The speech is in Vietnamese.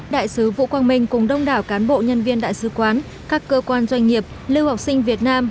đại sứ vũ quang minh cùng đông đảo cán bộ nhân viên đại sứ quán các cơ quan doanh nghiệp lưu học sinh việt nam